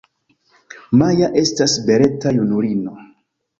Maja estas beleta junulino.